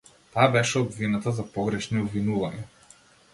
Таа беше обвинета за погрешни обвинувања.